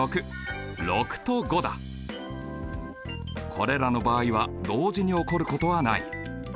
これらの場合は同時に起こることはない。